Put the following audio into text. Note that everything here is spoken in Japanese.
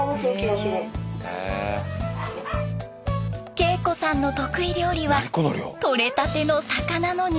敬子さんの得意料理は取れたての魚の煮付け。